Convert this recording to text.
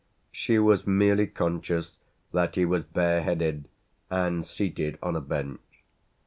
She was merely conscious that he was bareheaded and seated on a bench.